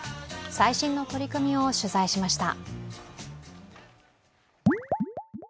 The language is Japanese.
最新の取り組みを取材しました。